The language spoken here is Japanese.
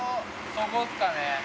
そこっすかね。